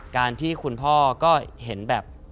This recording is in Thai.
การที่คุณพ่อก็เห็นแบบ